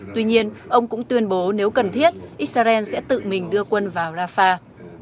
tuy nhiên ông cũng tuyên bố nếu cần thiết israel sẽ tự mình đưa quân vào rafah